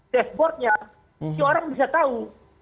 dashboardnya orang bisa tahu